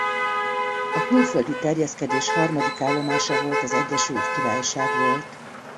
A külföldi terjeszkedés harmadik állomása volt az Egyesült Királyság volt.